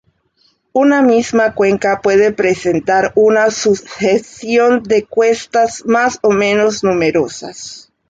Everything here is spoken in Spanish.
Una misma cuenca puede presentar una sucesión de cuestas más o menos numerosas.